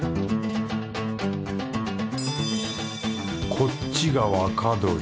こっちが若どり